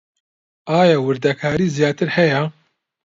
ئایا وردەکاریی زیاتر هەیە؟